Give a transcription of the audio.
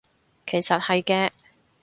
其實係嘅